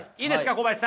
小林さん！